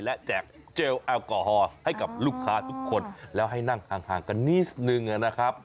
และแจกเจลแอลกอฮอล์ให้กับลูกค้าทุกคนแล้วให้นั่งห่างกันนิดนึงนะครับ